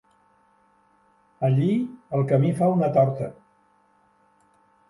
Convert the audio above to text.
Allí el camí fa una torta.